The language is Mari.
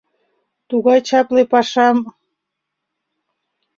Тугай чапле пашам...